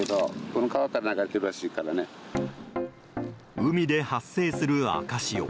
海で発生する赤潮。